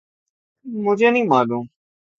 مجھے نہیں معلوم